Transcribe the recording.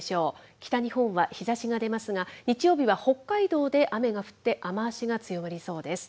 北日本は日ざしが出ますが、日曜日は北海道で雨が降って、雨足が強まりそうです。